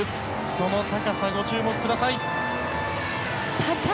その高さご注目ください。